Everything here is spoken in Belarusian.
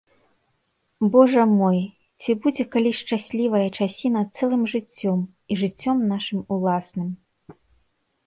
Божа мой, ці будзе калі шчаслівая часіна цэлым жыццём, і жыццём нашым уласным.